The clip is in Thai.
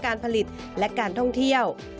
การผลิตและการท่องเที่ยว